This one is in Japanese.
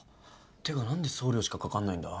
てか何で送料しかかかんないんだ？